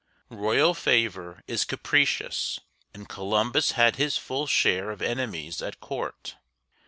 Royal favor is capricious and Columbus had his full share of enemies at court.